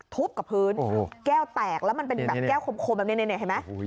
ทุบกับพื้นแก้วแตกแล้วมันเป็นแก้วขมแบบเน่เห็นไหม